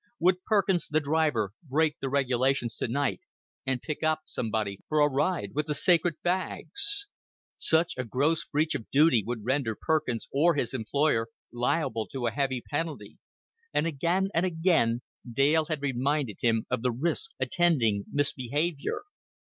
Would Perkins, the driver, break the regulations to night and pick up somebody for a ride with the sacred bags? Such a gross breach of duty would render Perkins, or his employer, liable to a heavy penalty; and again and again Dale had reminded him of the risks attending misbehavior.